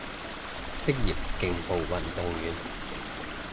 職業競步運動員